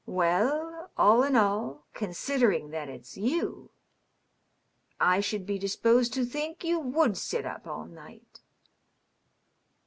" Well, all in all, considering that it's yow, I should be disposed to think you wofM sit up all night."